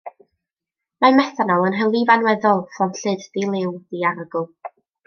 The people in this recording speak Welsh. Mae methanol yn hylif anweddol, fflamllyd, di-liw, diarogl.